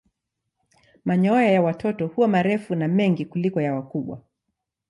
Manyoya ya watoto huwa marefu na mengi kuliko ya wakubwa.